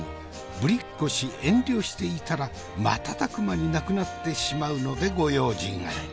ぶりっ子し遠慮していたら瞬く間になくなってしまうのでご用心あれ。